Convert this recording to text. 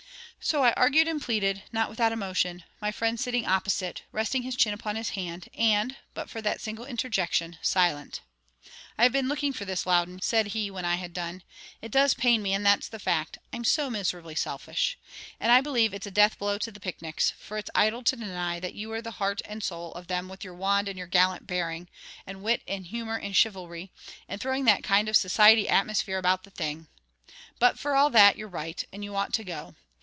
So I argued and pleaded, not without emotion; my friend sitting opposite, resting his chin upon his hand and (but for that single interjection) silent. "I have been looking for this, Loudon," said he, when I had done. "It does pain me, and that's the fact I'm so miserably selfish. And I believe it's a death blow to the picnics; for it's idle to deny that you were the heart and soul of them with your wand and your gallant bearing, and wit and humour and chivalry, and throwing that kind of society atmosphere about the thing. But for all that, you're right, and you ought to go.